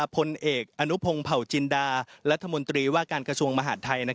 พลเอกอนุพงศ์เผาจินดารัฐมนตรีว่าการกระทรวงมหาดไทย